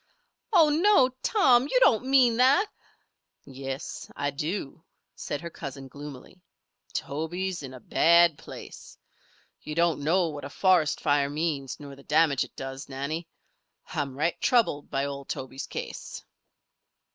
"Oh no, Tom! You don't mean that?" "Yes, I do," said her cousin, gloomily. "Tobe's in a bad place. You don't know what a forest fire means, nor the damage it does, Nannie. I'm right troubled by old Tobe's case."